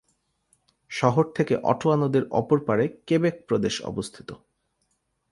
শহর থেকে অটোয়া নদীর অপর পাড়ে কেবেক প্রদেশ অবস্থিত।